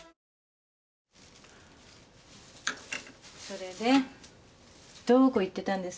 それで？